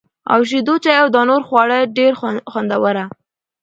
او شېدو چای او دانور خواړه ډېره خوندوره